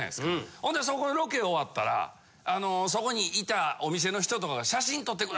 ほんでそこのロケ終わったらそこにいたお店の人とかが。